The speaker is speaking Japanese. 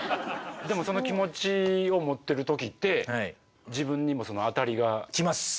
でもその気持ちを持ってるときって自分にも当たりが。来ます！